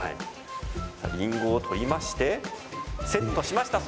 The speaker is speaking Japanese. さあ、りんごを取りましてセットしました。